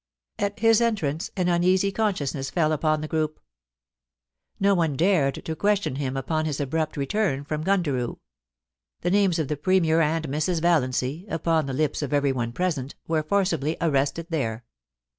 At his entrance an uneasy consciousness fell upon the f^^up. No one dared to question him upon his abrapt return from Gundaroa The names of the Premier and Mrs. Valiancy, upon the lips of eveiyone present, were forcibly arrested there.